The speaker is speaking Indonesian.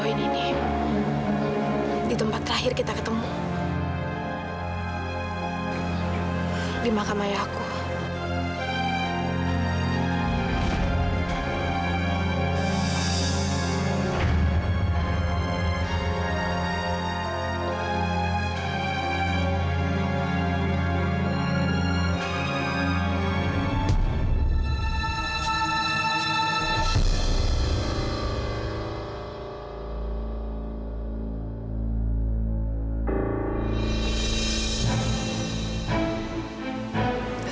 berani banget minta minta gue